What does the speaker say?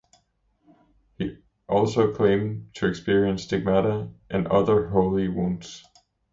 He also claimed to experience stigmata and other Holy Wounds.